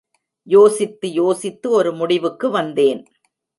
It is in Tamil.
யோசித்து யோசித்து ஒரு முடிவுக்கு வந்தேன்.